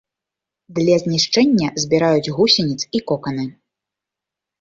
Для знішчэння збіраюць гусеніц і коканы.